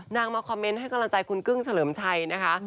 มาคอมเมนต์ให้กำลังใจคุณกึ้งเฉลิมชัยนะคะ